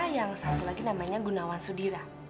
yang satu lagi namanya gunawan sudira